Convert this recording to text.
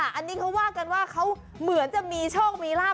อันนี้เขาว่ากันว่าเขาเหมือนจะมีโชคมีลาบ